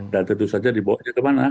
dan tentu saja dibawa ke mana